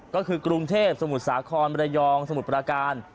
ก็คือกรุงเทพสมุทรสาครมระยองสมุทรประการ